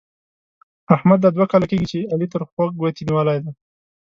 احمد دا دوه کاله کېږي چې علي تر خوږ ګوتې نيولې دی.